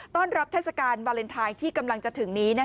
ต้อนรับเทศกาลวาเลนไทยที่กำลังจะถึงนี้